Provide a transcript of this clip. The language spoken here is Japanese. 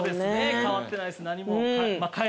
変わってないです何も。